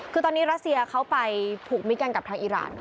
คือตอนนี้รัสเซียเขาไปผูกมิดกันกับทางอิราณ